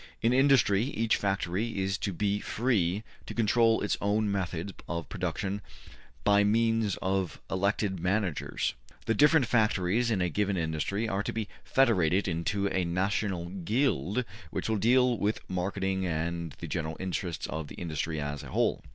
In industry each factory is to be free to control its own methods of production by means of elected managers. The different factories in a given industry are to be federated into a National Guild which will deal with marketing and the general interests of the industry as a whole.